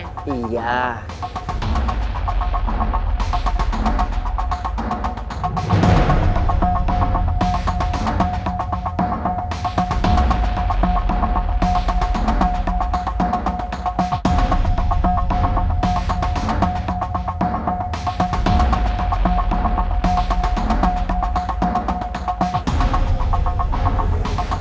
kak tuhan yang menjujur